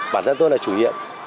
bản thân tôi là chủ nhiệm